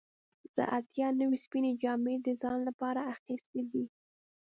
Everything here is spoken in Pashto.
زه اتیا نوي سپینې جامې د ځان لپاره اخیستې دي.